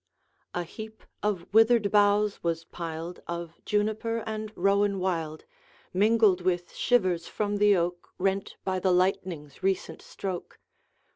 A heap of withered boughs was piled, Of juniper and rowan wild, Mingled with shivers from the oak, Rent by the lightning's recent stroke.